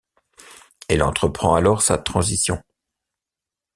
Elle entreprend alors sa transition.